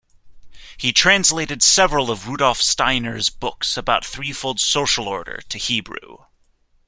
He translated several of Rudolf Steiner's books about Threefold Social Order to Hebrew.